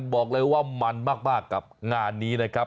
บอกเลยว่ามันมากกับงานนี้นะครับ